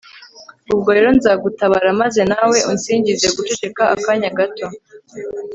ubwo rero nzagutabara, maze nawe unsingize. (guceceka akanya gato